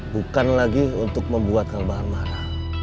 bukan lagi untuk membuat kelebaran mana